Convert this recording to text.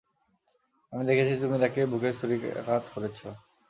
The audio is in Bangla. আমি দেখেছি তুমি তাকে বুকে ছুরিকাঘাত করেছ।